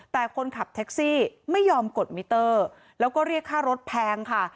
แต่คนขับแท็กซี่ไม่ยอมกดมิเตอร์แล้วก็เรียกค่ารถแพงค่ะ